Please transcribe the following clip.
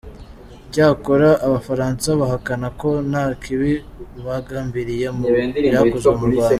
Cyakora abafaransa bahakana ko nta kibi bagambiriye mu byakozwe mu Rwanda.